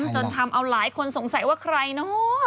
จนทำเอาหลายคนสงสัยว่าใครเนอะ